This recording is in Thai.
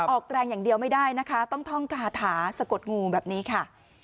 ออกแรงอย่างเดียวไม่ได้นะคะต้องท่องคาถาสะกดงูแบบนี้ค่ะ